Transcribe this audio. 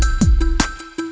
gak ada yang nungguin